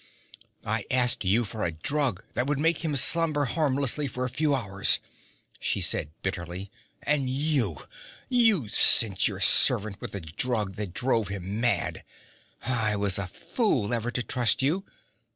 'I asked you for a drug that would make him slumber harmlessly for a few hours,' she said bitterly. 'And you you sent your servant with a drug that drove him mad! I was a fool ever to trust you.